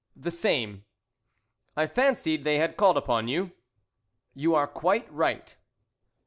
"The same." "I fancied they had called upon you." "You are quite right."